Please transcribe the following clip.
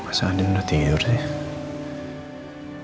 masa andien udah tidur sih